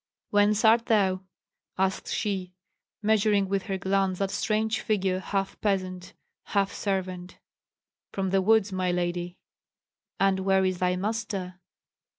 "Whence art thou?" asked she, measuring with her glance that strange figure, half peasant, half servant. "From the woods, my lady." "And where is thy master?"